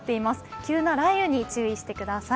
急な雷雨に注意してください。